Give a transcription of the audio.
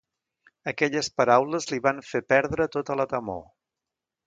Aquelles paraules li van fer perdre tota la temor.